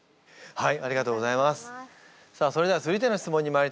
はい！